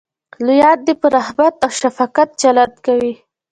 لویان دې په رحمت او شفقت چلند کوي.